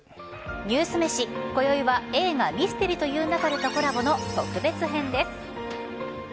ニュースめし今宵は映画「ミステリと言う勿れ」とコラボの特別編です。